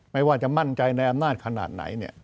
ไม่ว่าจะมั่นใจในอำนาจขนาดไหน